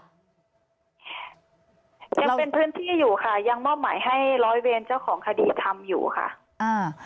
ยังเป็นพื้นที่อยู่ค่ะยังมอบหมายให้ร้อยเวรเจ้าของคดีทำอยู่ค่ะอ่า